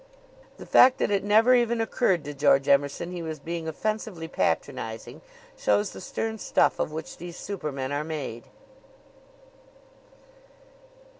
The fact that it never even occurred to George Emerson he was being offensively patronizing shows the stern stuff of which these supermen are made.